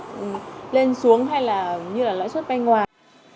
hay là lãi suất lên xuống hay là lãi suất bay ngoài